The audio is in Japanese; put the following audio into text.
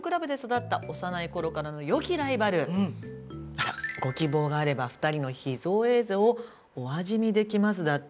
あら「ご希望があれば２人の秘蔵映像をお味見できます」だって。